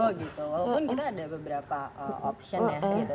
oh gitu walaupun kita ada beberapa option ya gitu